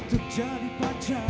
jangan jangan kau menolak cintaku